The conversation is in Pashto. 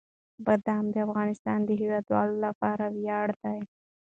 بادام د افغانستان د هیوادوالو لپاره ویاړ دی.